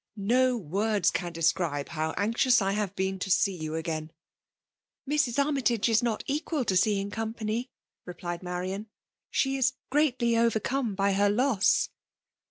No words can describe how anxious I have been to see you again !"Mrs. Armytage is not equal to aeeiiig Qompaay/* replied Marian. <' Ske is greaUy overcome by her loss."